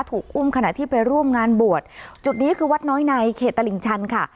ถูกอุ้มขณะที่ไปร่วมงานบวชจุดนี้คือวัดน้อยในเขตตลิ่งชันค่ะ